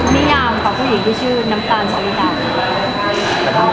มียามต่อผู้หญิงที่ชื่อน้ำตาลสวินาธิ์